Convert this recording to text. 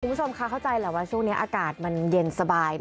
คุณผู้ชมค่ะเข้าใจแหละว่าช่วงนี้อากาศมันเย็นสบาย